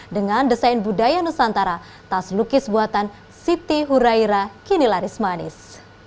dengan desain budaya nusantara tas lukis buatan siti huraira kini laris manis